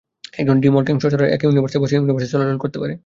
একজন ড্রিমওয়াকিং সর্সারার এক ইউনিভার্সে বসে ইউনিভার্সে চলাচল করতে পারে।